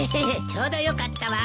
ちょうどよかったわ。